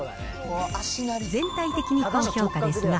全体的に高評価ですが、